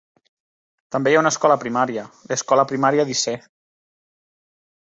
També hi ha una escola primària, l'escola primària Dyce.